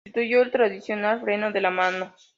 Sustituyó el tradicional freno de mano.